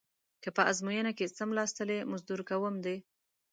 که په ازموینه کې څملاستلې مزدور کوم دې.